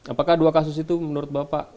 apakah dua kasus itu menurut bapak